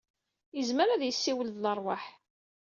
Yezmer ad yessiwel d leṛwaḥ.